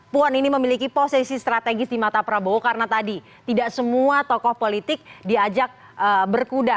puan ini memiliki posisi strategis di mata prabowo karena tadi tidak semua tokoh politik diajak berkuda